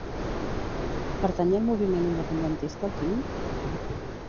Pertany al moviment independentista el Quim?